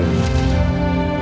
sebentar lagi akan terlaksana